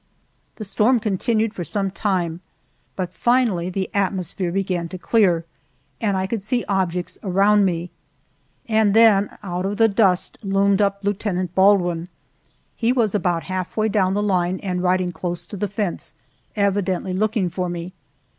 The storm continued for some time; but finally the atmosphere began to clear, and I could see objects around me. And then out of the dust loomed up Lieutenant Baldwin. He was about halfway down the line and riding close to the fence, evidently looking for me.